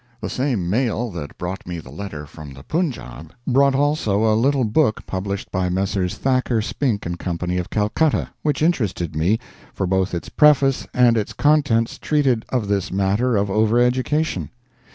The same mail that brought me the letter from the Punjab, brought also a little book published by Messrs. Thacker, Spink & Co., of Calcutta, which interested me, for both its preface and its contents treated of this matter of over education.